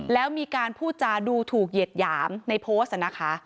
แล้วมีการพูดจาดูถูกเหยียดหยามในโพสต์นะคะ